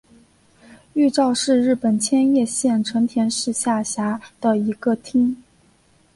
玉造是日本千叶县成田市下辖的一个町。